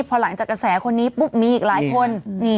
พอหลังจากกระแสคนนี้ปุ๊บมีอีกหลายคน